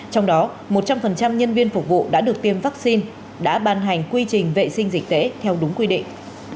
trong đó một trăm linh nhân viên phục vụ đã được tiêm vaccine đã ban hành quy trình vệ sinh dịch tễ theo đúng quy định